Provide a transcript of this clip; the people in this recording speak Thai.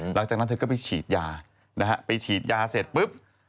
หลังจากนั้นเธอก็ไปฉีดยานะฮะไปฉีดยาเสร็จปุ๊บ